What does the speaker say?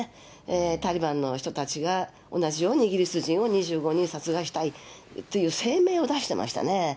タリバンの人たちが、同じようにイギリス人を２５人殺害したいという声明を出してましたね。